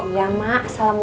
iya mak assalamualaikum